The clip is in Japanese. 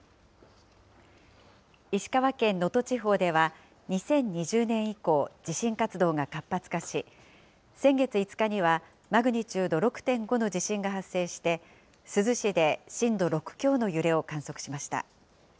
石川県能登地方では、２０２０年以降、地震活動が活発化し、先月５日には、マグニチュード６．５の地震が発生して、珠洲市で震度６強の揺れを観測しました。